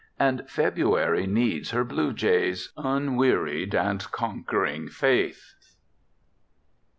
And February needs her blue jays' unwearied and conquering faith.